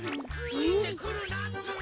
ついてくるなっつうの！